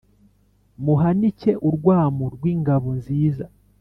muhanike urwamu rw’ingabo nziza